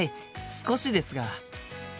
少しですが。